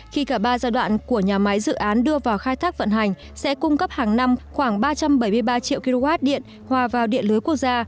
khi cả ba giai đoạn của nhà máy dự án đưa vào khai thác vận hành sẽ cung cấp hàng năm khoảng ba trăm bảy mươi ba triệu kw điện hòa vào điện lưới quốc gia